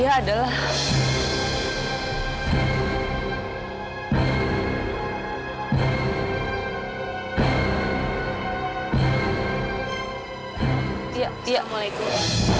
ya ya assalamualaikum